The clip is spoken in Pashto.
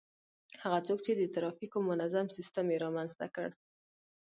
هغه څوک چي د ترافیکو منظم سیستم يې رامنځته کړ